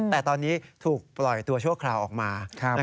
แต่ตอนนี้ถูกปล่อยตัวชั่วคราวออกมา